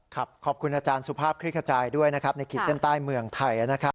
ขอบคุณอาจารย์สุภาพคลิกขจายด้วยนะครับในขีดเส้นใต้เมืองไทยนะครับ